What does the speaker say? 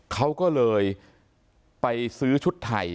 เขาก็เลยไปซื้อชุดไทย